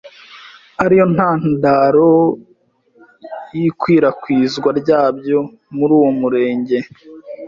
ari yo ntandaro y’ikwirakwizwa ryabyo muri uwo murenge